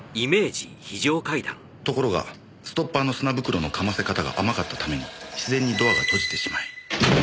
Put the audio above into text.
ところがストッパーの砂袋の噛ませ方が甘かったために自然にドアが閉じてしまい。